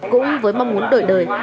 cũng với mong muốn đổi đời